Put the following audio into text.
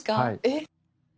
えっ！